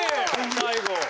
最後。